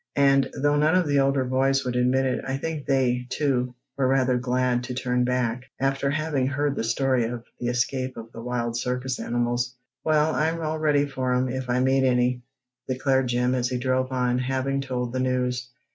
And, though none of the older boys would admit it, I think they, too, were rather glad to turn back after having heard the story of the escape of the wild circus animals. "Well, I'm all ready for 'em, if I meet any," declared Jim, as he drove on, having told the news.